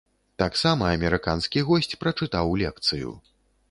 Таксама амерыканскі госць прачытаў лекцыю.